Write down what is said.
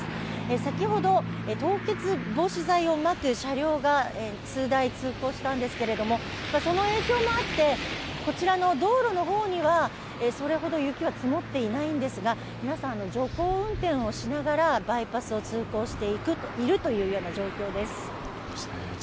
先ほど凍結防止剤をまく車両が数台通行したんですけどもその影響もあってこちらの道路の方にはそれほど雪は積もっていないんですが、皆さん、徐行運転をしながらバイパスを通行しているというような状況です。